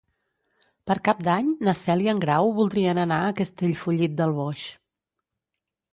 Per Cap d'Any na Cel i en Grau voldrien anar a Castellfollit del Boix.